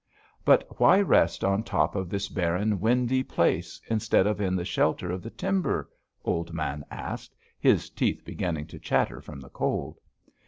"'But why rest out on top of this barren, windy place, instead of in the shelter of the timber?' Old Man asked, his teeth beginning to chatter from the cold.